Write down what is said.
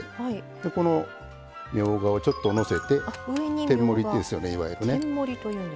このみょうがをちょっとのせて天盛りですよねいわゆるね。